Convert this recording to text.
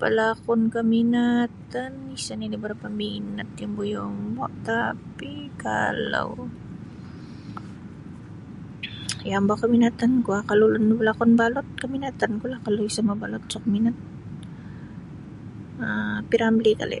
Pelakon keminatan sa nini berapa minat yombo yombo, tapi kalau, yombo keminatan ku ah kalau nunu pelakon balut, keminatan ku lah, kalau isa mabalut isa ku minat um P. Ramlee kali.